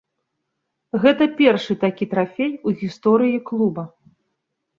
Гэта першы такі трафей у гісторыі клуба.